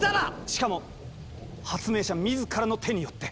しかも発明者みずからの手によって。